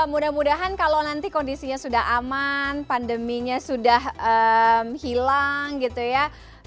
mudah mudahan kalau nanti kondisinya sudah aman pandeminya sudah hilang gitu ya